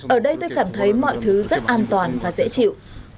ở đây tôi cảm thấy mọi thứ rất an toàn và dễ chịu